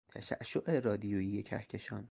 تشعشع رادیوئی کهکشان